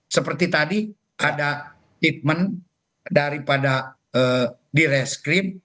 seperti tadi ada treatment daripada di reskrim